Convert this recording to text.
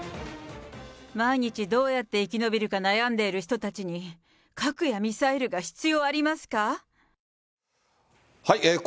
毎日、どうやって生き延びるか悩んでる人たちに、核やミサイルが必要ありますか？